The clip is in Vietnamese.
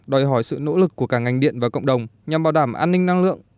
đòi hỏi sự nỗ lực của cả ngành điện và cộng đồng nhằm bảo đảm an ninh năng lượng